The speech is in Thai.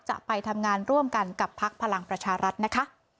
จะไปทำงานร่วมกันกับพักพลังประชารัฐนะคะ